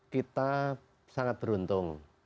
kita sangat beruntung